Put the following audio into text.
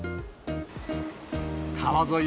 川沿い